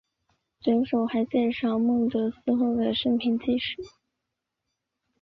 卷首还介绍孟德斯鸠的生平事迹。